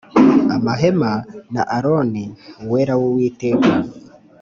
Amahema Na Aroni Uwera W Uwiteka